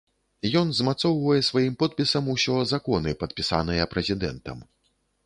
Ён змацоўвае сваім подпісам усё законы, падпісаныя прэзідэнтам.